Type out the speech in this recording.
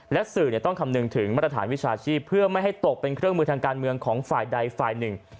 และสื่อต้องคำนึงถึงมาตรฐานวิชาชีพเพื่อไม่ให้ตกเป็นเครื่องมือทางการเมืองของฝ่ายใดฝ่ายหนึ่ง